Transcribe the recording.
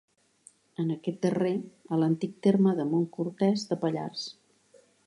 En aquest darrer, a l'antic terme de Montcortès de Pallars.